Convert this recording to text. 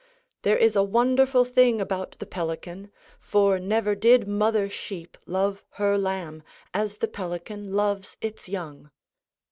There is a wonderful thing about the pelican, for never did mother sheep love her lamb as the pelican loves its young.